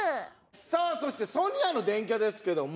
さあそしてソニアの電キャですけども。